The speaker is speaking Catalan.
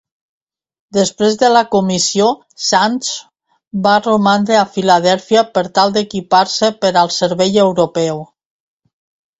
Després de la comissió, "Sands" va romandre a Philadelphia per tal d'equipar-se per al servei europeu.